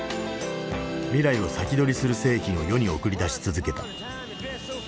未来を先取りする製品を世に送り出し続けた。